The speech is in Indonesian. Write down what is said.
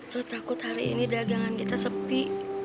lu takut hari ini dagangan kita sepi